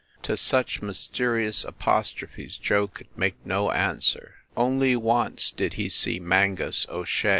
To such mysterious apos trophes Joe could make no answer. Only once did he see Mangus O Shea.